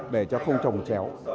để cho không trồng chéo